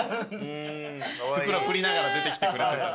袋振りながら出てきてくれて。